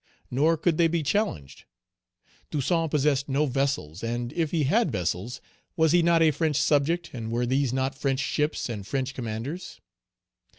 Nor could they be challenged. Toussaint possessed no vessels, and if he had vessels, was he not a French subject, and were these not French ships and French commanders?